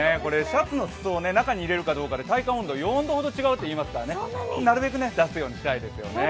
シャツの裾を中に入れるかどうかで体感温度、４度ほど違うといいますからなるべく出すようにしたいですね。